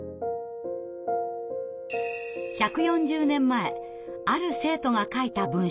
１４０年前ある生徒が書いた文章です。